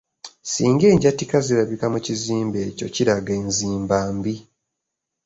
Singa enjatika zirabika mu kizimbe ekyo kiraga enzimba embi.